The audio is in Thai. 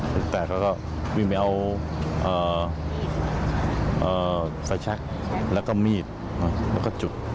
ตะอีกแปลกแล้วก็วิ่งไปเอาสายชักแล้วก็มีดแล้วก็จุด